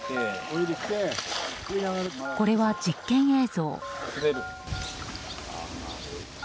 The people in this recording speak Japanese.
これは実験映像。